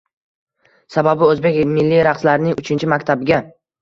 Sababi – o‘zbek milliy raqslarining uchinchi maktabiga